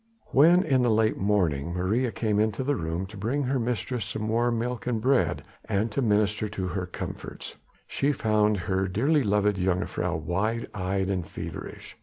When in the late morning Maria came into the room to bring her mistress some warm milk and bread, and to minister to her comforts, she found her dearly loved jongejuffrouw wide eyed and feverish.